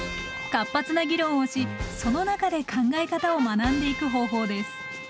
活発な議論をしその中で考え方を学んでいく方法です。